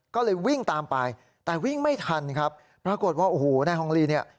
ก็เลยวิ่งตามไปแต่วิ่งไม่ทันครับปรากฏว่าโอ้โหนายฮองลีเนี่ย